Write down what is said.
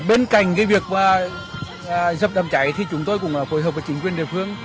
bên cạnh cái việc dập đám cháy thì chúng tôi cũng là phối hợp với chính quyền địa phương